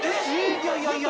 いやいやいや。